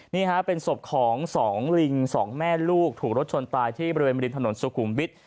นี่ฮะเป็นศพของสองลิงสองแม่ลูกถูกรถชนตายที่บริเวณบริมถนนสุขุมวิทย์